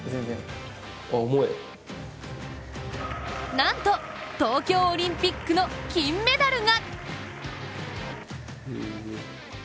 なんと東京オリンピックの金メダルが。